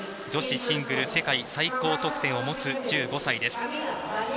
女子シングル世界最高得点を持つ１５歳です。